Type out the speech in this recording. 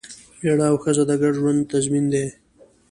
مېړه او ښځه د ګډ ژوند تضمین دی.